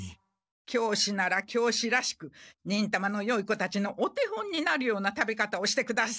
教師なら教師らしく忍たまのよい子たちのお手本になるような食べ方をしてください。